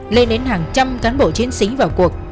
lên đến hàng trăm cán bộ chiến sĩ vào cuộc